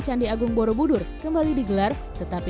candi agung borobudur kembali digelar tetapi